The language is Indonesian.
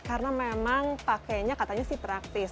karena memang pakenya katanya sih praktis